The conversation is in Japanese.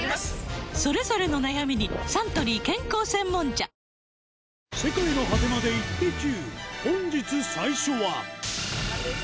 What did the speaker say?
それぞれの悩みにサントリー健康専門茶『世界の果てまでイッテＱ！』